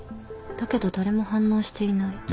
だけど誰も反応していない。